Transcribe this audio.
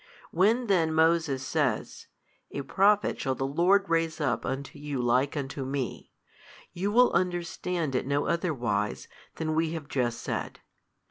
When then Moses says, A Prophet shall the Lord raise up unto you like unto me, you will understand it no other wise than we have just said.